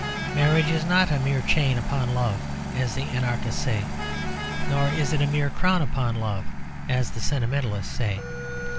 Marriage is not a mere chain upon love as the anarchists say; nor is it a mere crown upon love as the sentimentalists say.